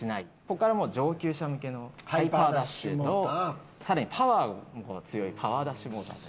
ここからもう上級者向けのハイパーダッシュとさらにパワーも強いパワーダッシュモーター。